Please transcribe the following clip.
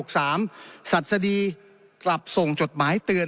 ศัษฎีกลับส่งจดหมายเตือน